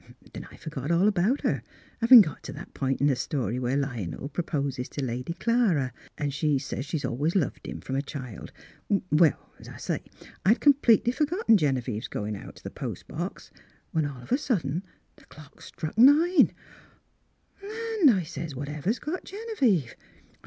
Then I forgot all about her, havin' got to that pint in the story where Lionel proposes to Lady Clara ; an' she says she's always loved him, from a child. Well, as I say, I'd completely for gotten Genevieve's goin' out t' the post box, when all of a sudden the clock struck nine. Miss Fhilura's Wedding Gown "' Land !' I sez, ' whatever's got Gene vieve